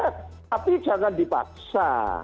tapi jangan dipaksa